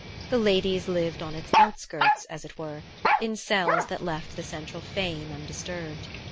The ladies lived on its outskirts, as it were, in cells that left the central fane undisturbed.